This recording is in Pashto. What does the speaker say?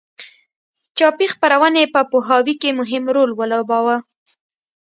چاپي خپرونې په پوهاوي کې مهم رول ولوباوه.